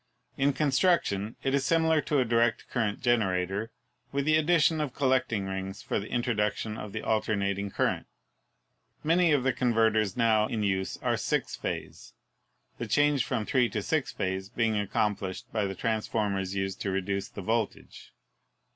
In construction it is similar to a direct current generator, with the addition of collecting rings for the introduction of the alternating current. Many of the converters now in use are six phase, the change from three to six phase being accomplished by the transformers used to reduce the voltage.